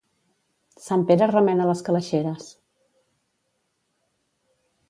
Sant Pere remena les calaixeres.